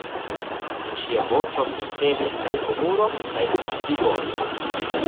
En ŝia voĉo senteblis kaj humuro, kaj scivolo.